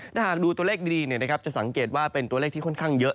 ถ้าหากดูตัวเลขดีจะสังเกตว่าเป็นตัวเลขที่ค่อนข้างเยอะ